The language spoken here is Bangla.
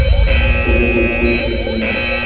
চোখে দেখতে পেত না।